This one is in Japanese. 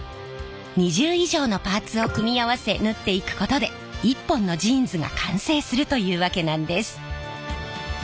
２０以上のパーツを組み合わせ縫っていくことで一本のジーンズが完成するというわけなんです。